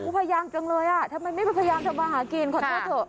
พยายามจังเลยอ่ะทำไมไม่พยายามทำมาหากินขอโทษเถอะ